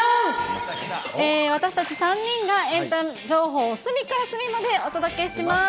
私たち３人がエンタ情報を隅から隅までお届けします。